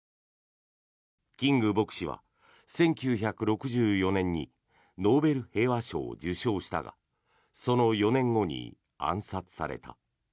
キング牧師は１９６４年にノーベル平和賞を受賞したがその４年後に暗殺された。